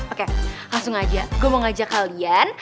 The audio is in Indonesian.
oke langsung aja gue mau ngajak kalian